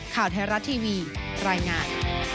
ข่าวเทราะทีวีรายงาน